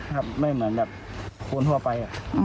ครับไม่เหมือนแบบคนทั่วไป